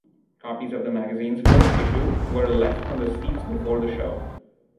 Copies of the magazine's first issue were left on the seats before the show.